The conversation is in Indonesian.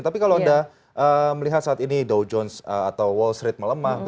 tapi kalau anda melihat saat ini dow jones atau wall street melemah